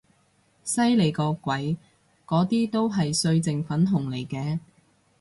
犀利個鬼，嗰啲都係歲靜粉紅嚟嘅